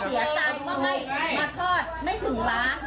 พวกเราก็เลยมา